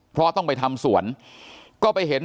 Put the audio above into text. เพราะต้องไปทำสวนก็ไปเห็น